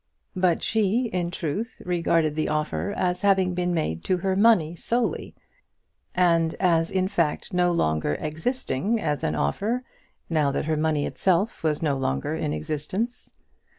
But she, in truth, regarded the offer as having been made to her money solely, and as in fact no longer existing as an offer, now that her money itself was no longer in existence.